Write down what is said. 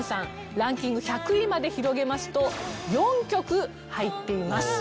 ランキング１００位まで広げますと４曲入っています。